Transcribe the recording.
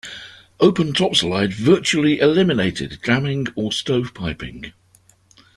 Open top slide virtually eliminated jamming or stovepiping.